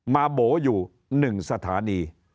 มาโบ๋อยู่หนึ่งสถานี